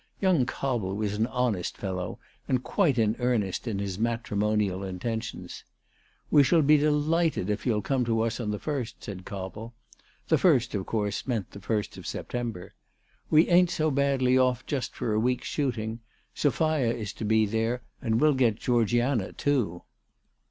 Young Cobble was an honest fellow, and quite in earnest in his matrimonial intentions. " We shall be delighted if you'll come to us on the first," said Cobble. The first of course meant the first of September. "We ain't so badly off just fyr a week's shooting. Sophia is to be there, and we'll get Georgiana too."